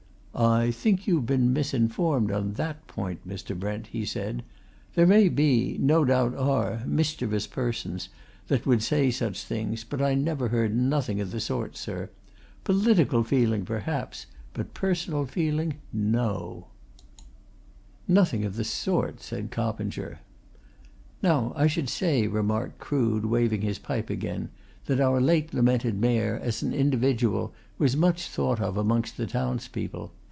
"I think you've been misinformed on that point, Mr. Brent," he said. "There may be no doubt are mischievous persons that would say such things, but I never heard nothing of the sort, sir. Political feeling, perhaps; but personal feeling no!" "Certainly not!" said Mallett. "Nothing of the sort!" said Coppinger. "Now, I should say," remarked Crood, waving his pipe again, "that our late lamented Mayor, as an individual, was much thought of amongst the townspeople.